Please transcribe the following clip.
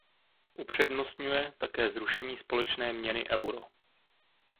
Upřednostňuje také zrušení společné měny euro.